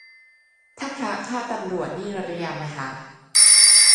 ถ้าพระฆ่าตำรวจนี่ระยำไหมฮะ